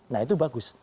nah itu bagus